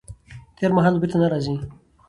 تېر مهال به بیرته نه راځي.